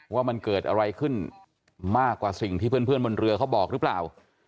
ว่ามันเกิดอะไรขึ้นมากกว่าสิ่งที่เพื่อนบนเรือเขาบอกหรือเปล่า